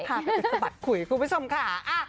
ไปสะบัดขุยคุณผู้ชมค่ะ